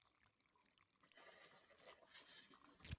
大洋洲壳腺溞为仙达溞科壳腺溞属的动物。